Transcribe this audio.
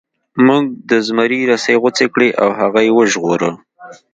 موږک د زمري رسۍ غوڅې کړې او هغه یې وژغوره.